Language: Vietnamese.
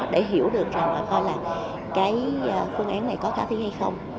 để hiểu được và coi là cái phương án này có khả thi hay không